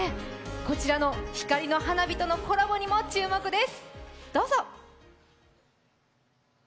こちらの光の花火とのコラボにも注目です。